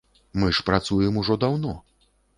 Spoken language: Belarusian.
Мы ж працуем ужо даўно.